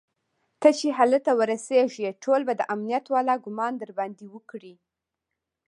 ته چې هلته ورسېږي ټول به د امنيت والا ګومان درباندې وکړي.